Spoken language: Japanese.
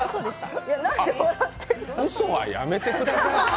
うそはやめてください。